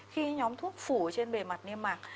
khi nhóm thuốc phủ trên bề mặt niêm mạc